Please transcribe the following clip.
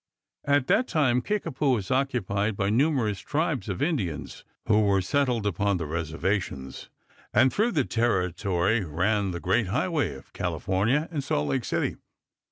At that time Kickapoo was occupied by numerous tribes of Indians, who were settled upon the reservations, and through the territory ran the great highway of California and Salt Lake City.